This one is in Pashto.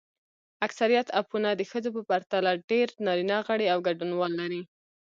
اکثریت اپونه د ښځو پرتله ډېر نارینه غړي او ګډونوال لري.